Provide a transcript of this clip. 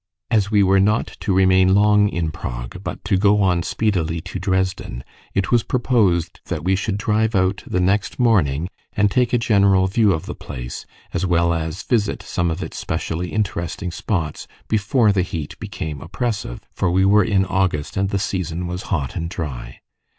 As we were not to remain long in Prague, but to go on speedily to Dresden, it was proposed that we should drive out the next morning and take a general view of the place, as well as visit some of its specially interesting spots, before the heat became oppressive for we were in August, and the season was hot and dry.